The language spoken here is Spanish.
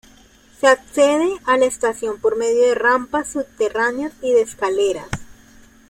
Se accede a la estación por medio de rampas subterráneas y de escaleras.